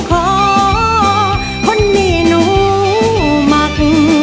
คนล้อคนนี้หนูมัก